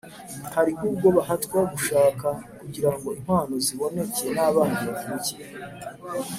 hari ubwo bahatwa gushaka kugirango inkwano ziboneke, n’abana bavuke,